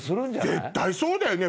絶対そうだよね。